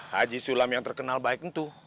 haji sulam yang terkenal baik tentu